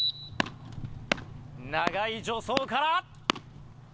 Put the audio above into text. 長い助走から。